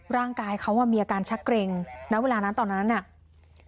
ร่างกายเขามีอาการชักเกร็งณเวลานั้นตอนนั้นน่ะ